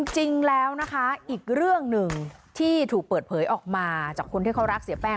จริงแล้วนะคะอีกเรื่องหนึ่งที่ถูกเปิดเผยออกมาจากคนที่เขารักเสียแป้ง